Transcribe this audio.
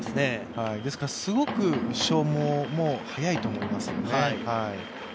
ですから、すごく消耗、早いと思いますよね。